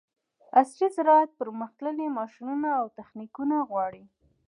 عصري زراعت پرمختللي ماشینونه او تخنیکونه غواړي.